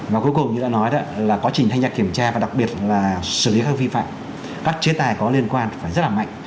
và cuối cùng như đã nói đó là quá trình thanh tra kiểm tra và đặc biệt là xử lý các vi phạm các chế tài có liên quan phải rất là mạnh